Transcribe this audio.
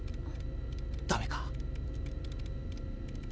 ダメか？